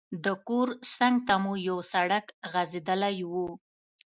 د کور څنګ ته مو یو سړک غځېدلی وو.